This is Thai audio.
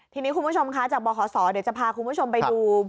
ทีนี้คุณผู้ชมคะจากบขศเดี๋ยวจะพาคุณผู้ชมไปดู